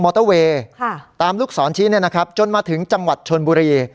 อเตอร์เวย์ตามลูกศรชี้เนี่ยนะครับจนมาถึงจังหวัดชนบุรี